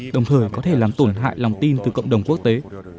đồng thời có thể làm tổn hại lòng tin từ cộng đồng quốc tế